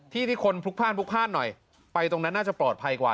ที่ที่คนพลุกพ่านพลุกพ่านหน่อยไปตรงนั้นน่าจะปลอดภัยกว่า